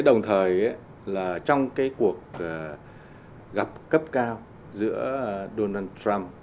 đồng thời trong cái cuộc gặp cấp cao giữa donald trump